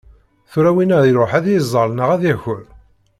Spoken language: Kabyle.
Tura winna iruḥ ad yeẓẓal neɣ ad d-yaker?